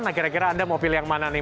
nah kira kira anda mau pilih yang mana nih